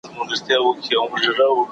هغه له پخوا څخه نابلده کور ته راغلې ده.